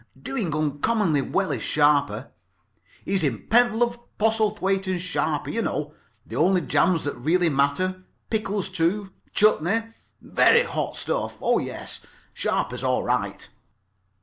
Doing uncommonly well, is Sharper. He's in Pentlove, Postlethwaite and Sharper. You know. The only jams that really matter. Pickles, too. Chutney. Very hot stuff. Oh, yes, Sharper's all right.